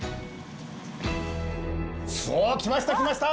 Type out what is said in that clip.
お来ました来ました。